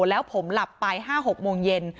แล้วผมหลับไป๕๖โมงเย็น